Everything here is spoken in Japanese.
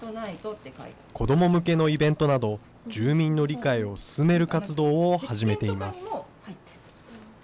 子ども向けのイベントなど、住民の理解を進める活動を始めています。